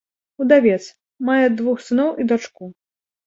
Удавец, мае двух сыноў і дачку.